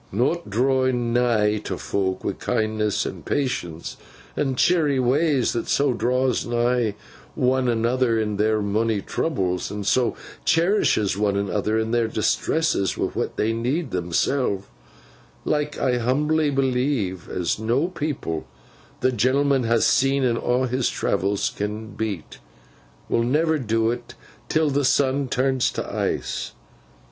Not drawin nigh to fok, wi' kindness and patience an' cheery ways, that so draws nigh to one another in their monny troubles, and so cherishes one another in their distresses wi' what they need themseln—like, I humbly believe, as no people the genelman ha seen in aw his travels can beat—will never do 't till th' Sun turns t' ice.